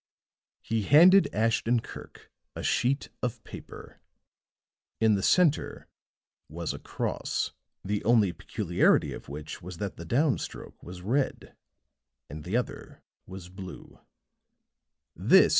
He handed Ashton Kirk a sheet of paper; in the center was a cross, the only peculiarity of which was that the down stroke was red, and the other was blue.